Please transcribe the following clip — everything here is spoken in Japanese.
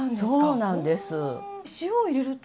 そうなんです。